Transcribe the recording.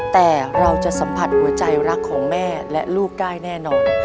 แต่เราจะสัมผัสหัวใจรักของแม่และลูกได้แน่นอน